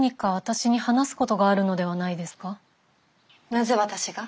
なぜ私が？